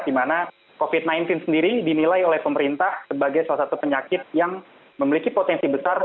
di mana covid sembilan belas sendiri dinilai oleh pemerintah sebagai salah satu penyakit yang memiliki potensi besar